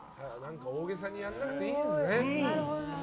大げさにやらなくていいんですね。